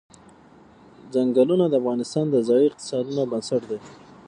چنګلونه د افغانستان د ځایي اقتصادونو بنسټ دی.